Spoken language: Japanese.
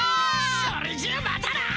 それじゃあまたな！